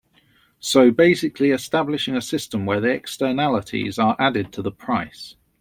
So basically establishing a system where the externalities are added to the price.